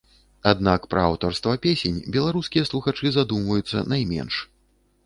Аднак пра аўтарства песень беларускія слухачы задумваюцца найменш.